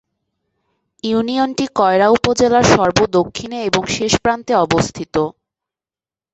ইউনিয়নটি কয়রা উপজেলার সর্ব দক্ষিণে এবং শেষ প্রান্তে অবস্থিত।